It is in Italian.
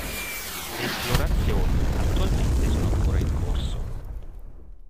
Le esplorazioni, attualmente sono ancora in corso.